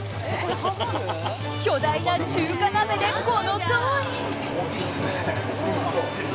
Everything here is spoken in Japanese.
巨大な中華鍋でこのとおり。